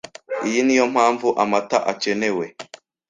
iyi niyo mpamvu amata akenewe